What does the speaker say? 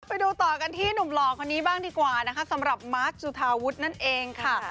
ไปดูต่อกันที่หนุ่มหล่อคนนี้บ้างดีกว่านะคะสำหรับนั่นเองค่ะ